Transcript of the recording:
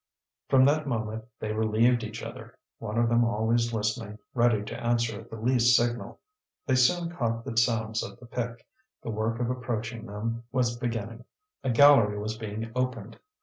From that moment they relieved each other, one of them always listening, ready to answer at the least signal. They soon caught the sounds of the pick; the work of approaching them was beginning, a gallery was being opened.